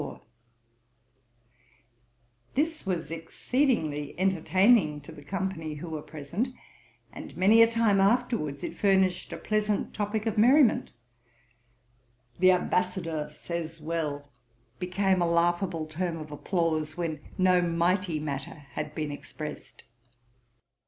This was exceedingly entertaining to the company who were present, and many a time afterwards it furnished a pleasant topick of merriment: 'The Ambassadeur says well,' became a laughable term of applause, when no mighty matter had been expressed.